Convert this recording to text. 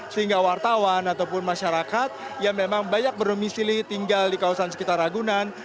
sehingga wartawan ataupun masyarakat yang memang banyak berdomisili tinggal di kawasan sekitar ragunan